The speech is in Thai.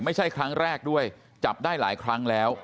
ไม่ใช่ครั้งแรกด้วยจับได้หลายครั้งแล้ว